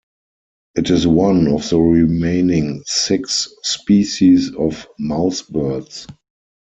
It is one of the remaining six species of Mousebirds.